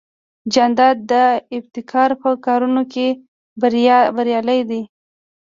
جانداد د ابتکار په کارونو کې بریالی دی.